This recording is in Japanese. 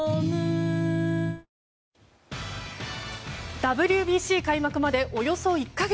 ＷＢＣ開幕までおよそ１か月。